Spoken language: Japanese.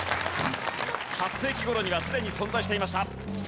８世紀頃にはすでに存在していました。